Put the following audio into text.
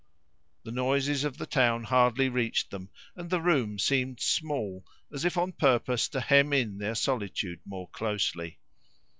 The noises of the town hardly reached them, and the room seemed small, as if on purpose to hem in their solitude more closely.